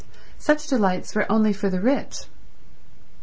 Such delights were only for the rich.